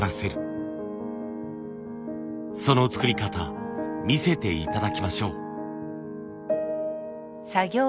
その作り方見せて頂きましょう。